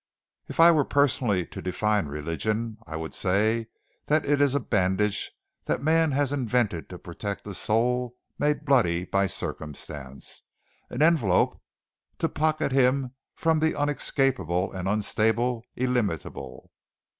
If I were personally to define religion I would say that it is a bandage that man has invented to protect a soul made bloody by circumstance; an envelope to pocket him from the unescapable and unstable illimitable.